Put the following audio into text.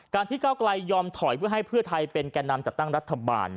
ที่เก้าไกลยอมถอยเพื่อให้เพื่อไทยเป็นแก่นำจัดตั้งรัฐบาล